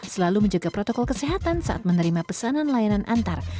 selalu menjaga protokol kesehatan saat menerima pesanan layanan antar